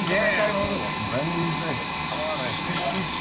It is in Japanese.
全然構わないし。